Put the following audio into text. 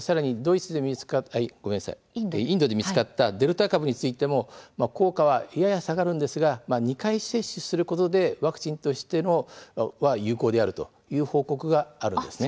さらに、インドで見つかったデルタ株についても効果はやや下がるんですが２回接種することでワクチンとして有効であるという報告もあります。